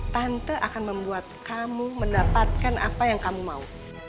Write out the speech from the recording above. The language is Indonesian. tante akan membuat kamu mendapatkan apa yang kamu mau